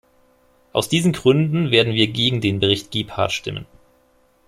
Aus diesen Gründen werden wir gegen den Bericht Gebhardt stimmen.